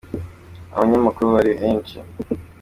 Aba nyamakuru bari benshi.